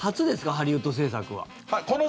ハリウッド制作は。